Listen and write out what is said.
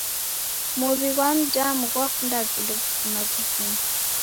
Muw'i ghwa mdamu ghwakunda vindo vizima vizima.